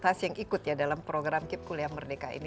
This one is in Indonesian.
terima kasih yang ikut ya dalam program kip kuliah merdeka ini